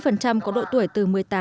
hơn tám mươi có độ tuổi từ một mươi tám